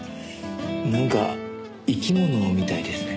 なんか生き物みたいですね。